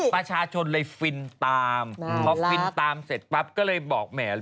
ประชาชนเลยฟินตามพอฟินตามเสร็จปั๊บก็เลยบอกแหม